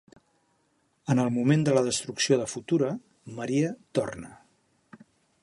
En el moment de la destrucció de Futura, Maria torna.